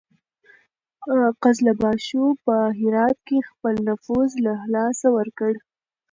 قزلباشو په هرات کې خپل نفوذ له لاسه ورکړ.